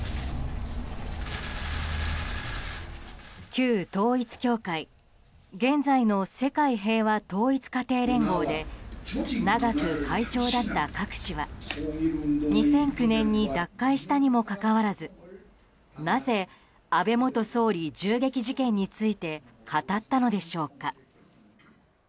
旧統一教会現在の世界平和統一家庭連合で長く会長だったカク氏は２００９年に脱会したにもかかわらずなぜ安倍元総理銃撃事件について語ったのでしょうか。